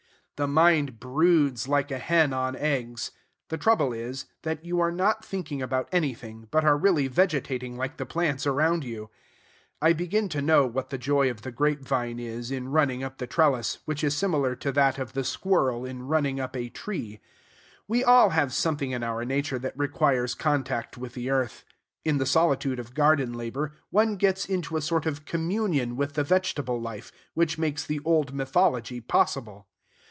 The mind broods like a hen on eggs. The trouble is, that you are not thinking about anything, but are really vegetating like the plants around you. I begin to know what the joy of the grape vine is in running up the trellis, which is similar to that of the squirrel in running up a tree. We all have something in our nature that requires contact with the earth. In the solitude of garden labor, one gets into a sort of communion with the vegetable life, which makes the old mythology possible.